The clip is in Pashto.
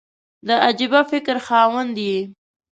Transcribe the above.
د عجبه فکر خاوند یې !